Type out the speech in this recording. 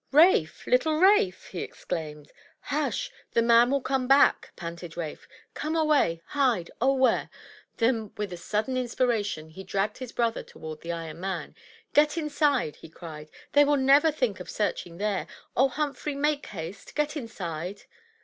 "Rafe! little Rafe!" he exclaimed. "Hush! The man will come back," panted Rafe. "Come away— hide— oh, where?" Then with a sudden inspiration he dragged his brother toward the iron man. "Get inside," he cried. "They will never think of searching there ! Oh, Humphrey — make haste! Get inside!"